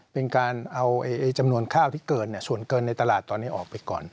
เป็นการเอาจำนวนข้าวที่เกินส่วนเกินในตลาดตอนนี้ออกไปก่อน